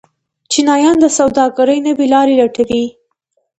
چینایان د سوداګرۍ نوې لارې لټوي.